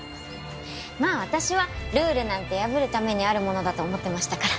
まあ私はルールなんて破るためにあるものだと思ってましたから。